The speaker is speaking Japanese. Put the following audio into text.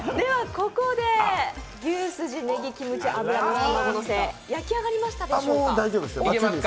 ここで、牛すじネギキムチ油かす玉子のせ、焼き上がりましたでしょうか。